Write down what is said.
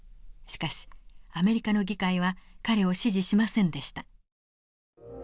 しかしアメリカの議会は彼を支持しませんでした。